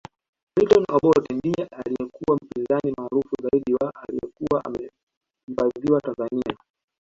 Milton Obote ndiye alikuwa mpinzani maarufu zaidi na alikuwa amehifadhiwa Tanzania